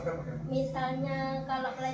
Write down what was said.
tidak seharusnya dia lakukan